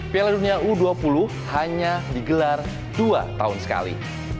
piala dunia u dua puluh hanya digelar dua tahun sekali